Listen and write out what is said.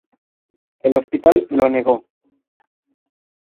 El hospital lo negó.